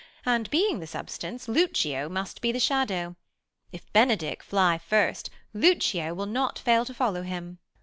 And, being the substance, Lucio must be the shadow ! if Benedick Fly first, Lucio will not fail to follow him.